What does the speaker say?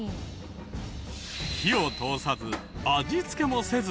火を通さず味付けもせず。